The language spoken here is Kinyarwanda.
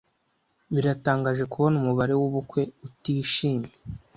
Biratangaje kubona umubare wubukwe utishimye.